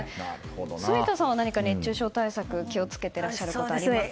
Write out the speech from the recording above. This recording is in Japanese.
住田さんは何か熱中症対策気を付けてらっしゃることはありますか？